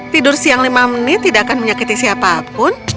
tidur siang lima menit tidak akan menyakiti siapa pun